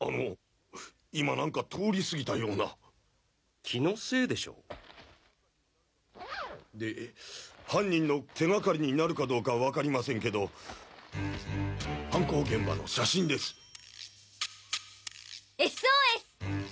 あの今なんか通り過ぎたような気のせいでしょで犯人の手がかりになるかどうか分かりませんけど犯行現場の写真です